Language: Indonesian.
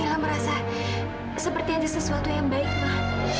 mila merasa seperti ada sesuatu yang baik mak